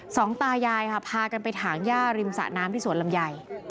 สองตายายค่ะพากันไปถางย่าริมสะน้ำที่สวนลำไย